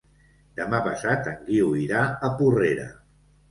Demà passat en Guiu irà a Porrera.